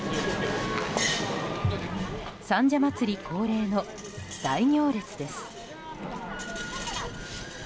三社祭恒例の大行列です。